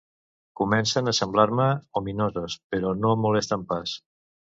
Comencen a semblar-me ominoses, però no em molesten pas.